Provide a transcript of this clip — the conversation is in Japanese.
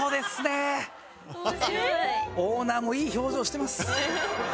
オーナーもいい表情してます。